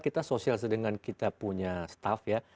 kita sosial dengan kita punya staff ya